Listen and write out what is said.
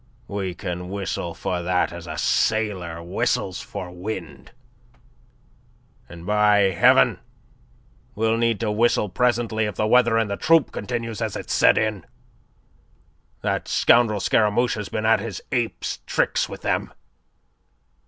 We can whistle for that as a sailor whistles for wind. And, by Heaven, we'll need to whistle presently if the weather in the troupe continues as it's set in. That scoundrel Scaramouche has been at his ape's tricks with them.